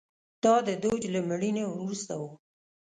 دا د دوج له مړینې وروسته و